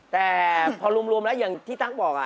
แต่พอรวมแล้วอย่างที่ตั๊กบอก